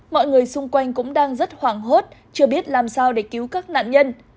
mọi người xung quanh cũng đang rất hoảng hốt chưa biết làm sao để cứu các nạn nhân